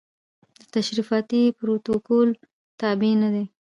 د تشریفاتي پروتوکول تابع نه وي.